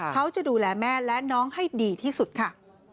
เขาจะดูแลแม่และน้องให้ดีที่สุดค่ะ